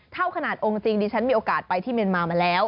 เท่าขนาดองค์จริงดิฉันมีโอกาสไปที่เมียนมามาแล้ว